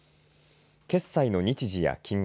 決済の日時や金額